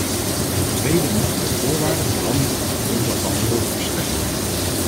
Ten tweede moeten we de voorwaarden veranderen op grond waarvan we hulp verstrekken.